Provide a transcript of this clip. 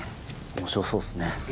面白そうですね。